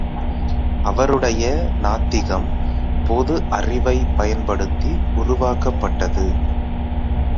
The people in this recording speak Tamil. அவருடைய நாத்திகம் பொது அறிவைப் பயன்படுத்தி உருவாக்கப்பட்டது.